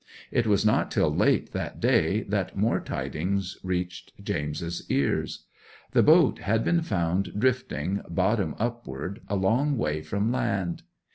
It was not till late that day that more tidings reached James's ears. The boat had been found drifting bottom upward a long way from land.